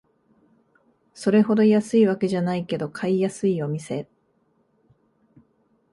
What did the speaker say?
それほど安いわけじゃないけど買いやすいお店